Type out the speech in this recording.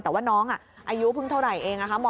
แต่ว่าน้องอายุเพิ่งเท่าไหร่เอง